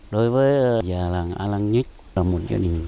đối với già làng a lăng nhất là một gia đình